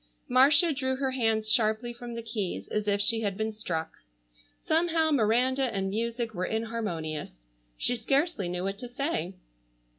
Marcia drew her hands sharply from the keys as if she had been struck. Somehow Miranda and music were inharmonious. She scarcely knew what to say.